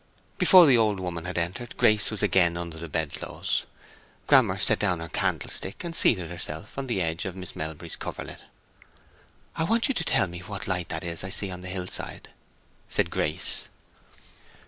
Before the old woman had entered, Grace was again under the bedclothes. Grammer set down her candlestick, and seated herself on the edge of Miss Melbury's coverlet. "I want you to tell me what light that is I see on the hill side," said Grace.